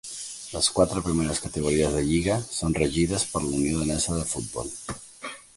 Les quatre primeres categories de lliga són regides per la Unió Danesa de Futbol.